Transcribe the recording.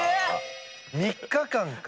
３日間か。